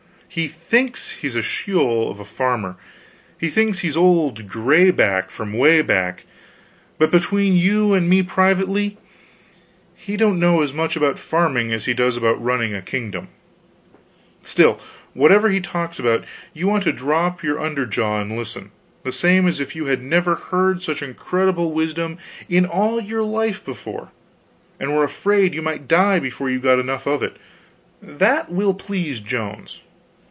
He thinks he's a Sheol of a farmer; thinks he's old Grayback from Wayback; but between you and me privately he don't know as much about farming as he does about running a kingdom still, whatever he talks about, you want to drop your underjaw and listen, the same as if you had never heard such incredible wisdom in all your life before, and were afraid you might die before you got enough of it. That will please Jones."